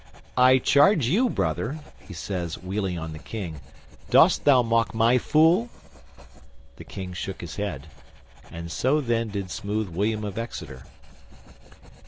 "I charge you, Brother," he says, wheeling on the King, "dost thou mock my fool?" The King shook his head, and so then did smooth William of Exeter.